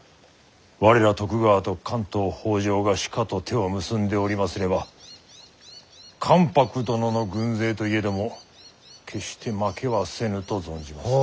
我ら徳川と関東北条がしかと手を結んでおりますれば関白殿の軍勢といえども決して負けはせぬと存じまする。